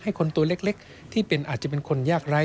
ให้คนตัวเล็กที่อาจจะเป็นคนยากไร